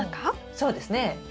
おそうですね。